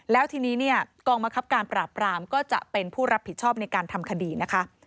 แล้วทีนี้เนี่ยกองบังคับการปราบรามก็จะเป็นผู้รับผิดชอบในการทำคดีนะคะ